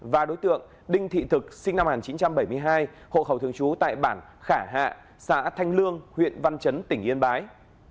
và đối tượng đinh thị thực sinh năm một nghìn chín trăm bảy mươi hai hộ khẩu thường trú tại bản khả hạ xã thanh lương huyện văn chấn tỉnh yên bái